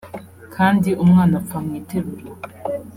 kandi umwana apfa mu iterura